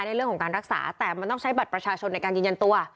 ในเรื่องของการรักษาแต่มันต้องใช้บัตรประชาชนในการยืนยันตัว